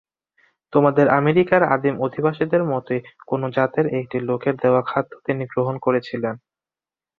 তোমাদের আমেরিকার আদিম অধিবাসীদের মতই কোন জাতের একটি লোকের দেওয়া খাদ্য তিনি গ্রহণ করেছিলেন।